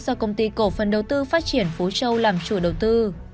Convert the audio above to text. do công ty cổ phần đầu tư phát triển phú châu làm chủ đầu tư